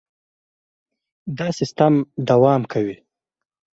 دا سیستم دوام کوي.